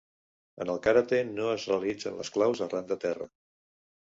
En el karate no es realitzen les claus arran de terra.